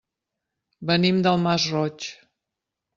Venim del Masroig.